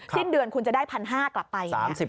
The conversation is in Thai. สิ้นเดือนคุณจะได้๑๕๐๐บาทกลับไป